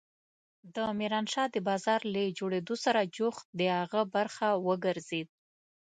د ميرانشاه د بازار له جوړېدو سره جوخت د هغه برخه وګرځېد.